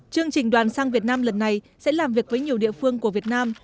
chương trình đoàn sang việt nam lần này sẽ làm việc với nhiều địa phương của việt nam